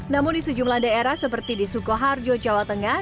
namun di sejumlah daerah seperti di sukoharjo jawa tengah